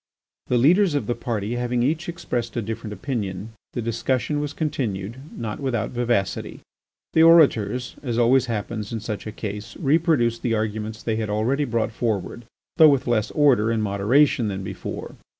The leaders of the party having each expressed a different opinion, the discussion was continued, not without vivacity. The orators, as always happens in such a case, reproduced the arguments they had already brought forward, though with less order and moderation than before.